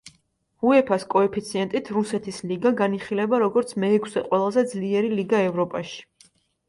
უეფას კოეფიციენტით რუსეთის ლიგა განიხილება როგორ მეექვსე ყველაზე ძლიერი ლიგა ევროპაში.